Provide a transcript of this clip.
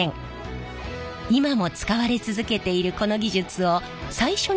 今も使われ続けているこの技術を最初に開発したのが実は。